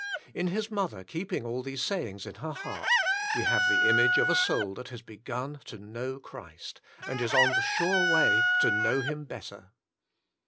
'' In His mother keeping all these sayings in her heart, we have the image of a soul that has begun to know Christ, and is on the sure way to know Him better.